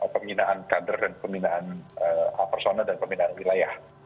pembinaan kader dan pembinaan personal dan pembinaan wilayah